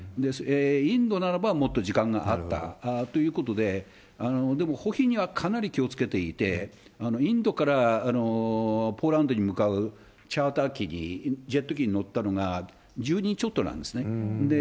インドならば、もっと時間があったということで、でも、保秘にはかなり気をつけていて、インドからポーランドに向かうチャーター機に、ジェット機に乗ったのが、１０人ちょっとなんですね。